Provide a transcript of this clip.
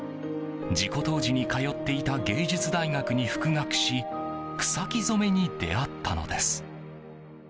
事故当時に通っていた芸術大学に復学し草木染めに出会ったのです。